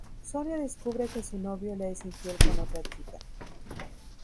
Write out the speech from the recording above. Sonia descubre que su novio le es infiel con otra chica.